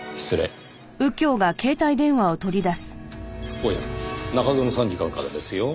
おや中園参事官からですよ。